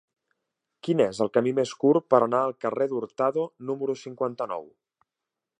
Quin és el camí més curt per anar al carrer d'Hurtado número cinquanta-nou?